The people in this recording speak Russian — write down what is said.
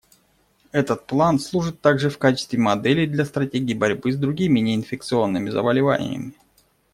Этот план служит также в качестве модели для стратегий борьбы с другими неинфекционными заболеваниями.